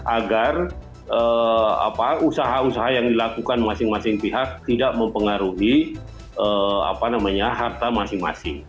agar usaha usaha yang dilakukan masing masing pihak tidak mempengaruhi harta masing masing